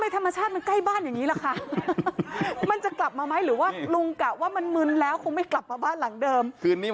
ถ้ามันจะกลับมาไหมหรือว่ามันมึนแล้วคงจะไม่กลับมาบ้านหลังเดิม